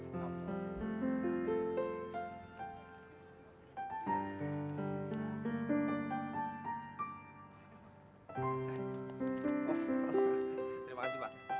terima kasih pak